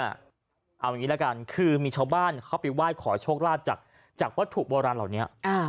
เอาอย่างนี้ละกันคือมีชาวบ้านเข้าไปไหว้ขอโชคลาภจากวัตถุโบราณเหล่านี้